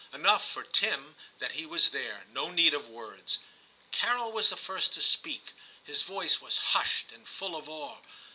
Enough for Tim that he was there ; no need of words. Carol was the first to speak ; his voice was hushed and full of awe.